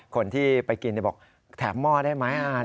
คนที่ไปกินบอกแถมหม้อได้ไหม